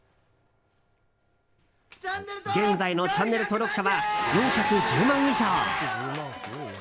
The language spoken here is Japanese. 現在のチャンネル登録者は４１０万以上。